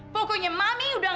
tolong api kemakaran